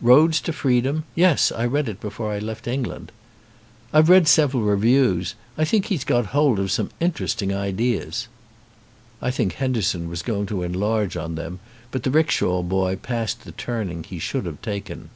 "Roads to Freedom? Yes. I read it before I left England." "I've read several reviews. I think he's got hold of some interesting ideas." I think Henderson was going to enlarge on. them, but the rickshaw boy passed the turning he should have taken.